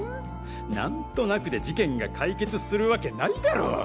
なんとなくで事件が解決するわけないだろう。